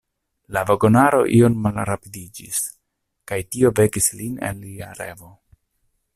La vagonaro iom malrapidiĝis, kaj tio vekis lin el lia revo.